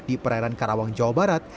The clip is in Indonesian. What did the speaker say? di perairan karawang jawa barat